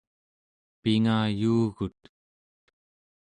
pingayuugut